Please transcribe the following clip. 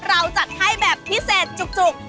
เราจัดให้แบบพิเศษจุก